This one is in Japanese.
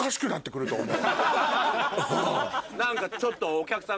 何かちょっと。